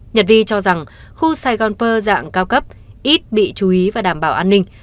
nhật vi cho rằng khu sài gòn pơ dạng cao cấp ít bị chú ý và đảm bảo an ninh